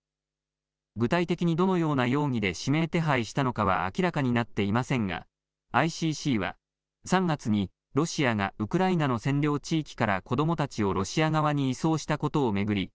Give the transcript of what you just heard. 具体的に、どのような容疑で指名手配したのかは明らかになっていませんがＩＣＣは３月にロシアがウクライナの占領地域から子どもたちをロシア側に移送したことを巡り